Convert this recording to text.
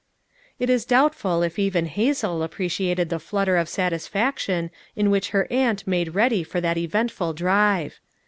It is doubtful if even Hazel appreciated the flutter of satisfaction in which her aunt made ready for that eventful drive.